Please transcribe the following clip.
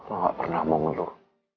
lo gak pernah mau ngeluh